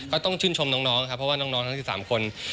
ก็ต้องชื่นชมน้องครับเพราะว่าน้องทั้ง๑๓คน